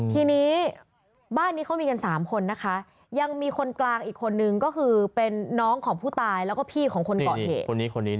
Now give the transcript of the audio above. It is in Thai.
ทีนี้บ้านนี้เขามีกัน๓คนนะคะยังมีคนกลางอีกคนนึงก็คือเป็นน้องของผู้ตายแล้วก็พี่ของคนเกาะเหตุ